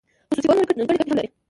خصوصي کول نورې ګڼې ګټې هم لري.